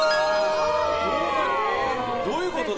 どういうことだ？